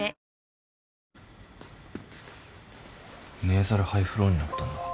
ネーザルハイフローになったんだ。